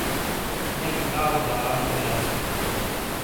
نیٹ لاؤ دال بو یازیو ۔